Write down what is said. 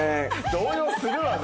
動揺するわな。